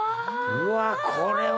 うわあこれは。